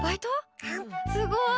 すごい！